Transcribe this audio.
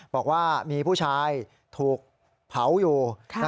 บอกว่ามีผู้ชายถูกเผาอยู่